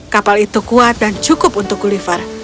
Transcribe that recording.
kapal itu kuat dan cukup untuk gulliver